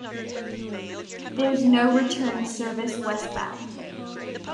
There is no return service westbound.